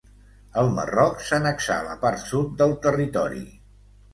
El Marroc s'annexà la part sud del territori.